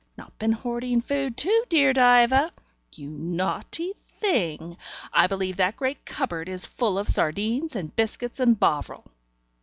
Not been hoarding food, too, dear Diva? You naughty thing: I believe that great cupboard is full of sardines and biscuits and Bovril."